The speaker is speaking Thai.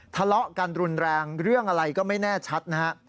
ทะเลาะกันรุนแรงเรื่องอะไรก็ไม่แน่ชัดนะฮะ